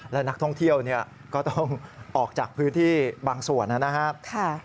และนักท่องเที่ยวก็ต้องออกจากพื้นที่บางส่วนนะครับ